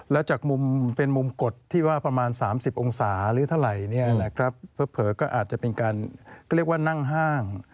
แล้วจากมุมเป็นมุมกดที่ว่าประมาณ๓๐องศาหรือเท่าไหร่เนี่ยนะครับเผลอก็อาจจะเป็นการเขาเรียกว่านั่งห้าง